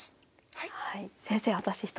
はい。